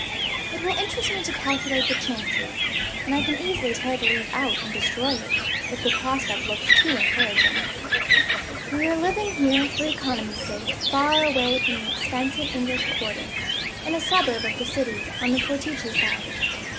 "It will interest me to calculate the chances; and I can easily tear the leaf out, and destroy it, if the prospect looks too encouraging. "We are living here (for economy's sake) far away from the expensive English quarter, in a suburb of the city, on the Portici side.